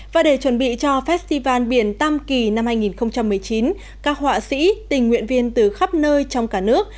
và để chuẩn bị cho festival biển tam kỳ năm hai nghìn một mươi chín các họa sĩ tình nguyện viên từ khắp nơi trong cả nước